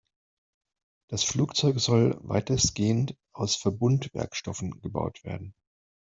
Das Flugzeug soll weitestgehend aus Verbundwerkstoffen gebaut werden.